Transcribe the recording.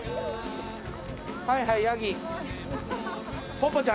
はいはいヤギ。